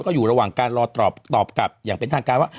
ก็อยู่ระหว่างการรอตอบกลับอย่างเป็นทางการว่า